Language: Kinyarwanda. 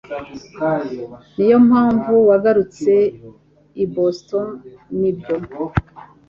Niyo mpamvu wagarutse i Boston, sibyo?